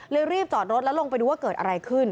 รีบจอดรถแล้วลงไปดูว่าเกิดอะไรขึ้น